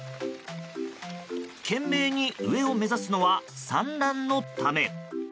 懸命に上を目指すのは産卵のため。